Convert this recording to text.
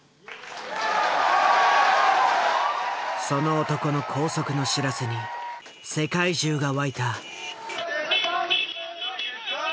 その男の拘束の知らせに世界中が沸いた。